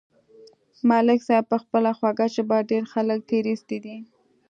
ملک صاحب په خپله خوږه ژبه ډېر خلک تېر ایستلي دي.